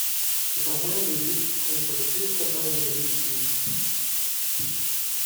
C’est un moyen de lutte contre les télescopages de véhicules.